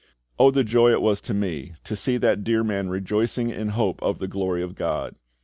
Oh the joy it was to me to see that dear man rejoicing in hope of the glory of GOD!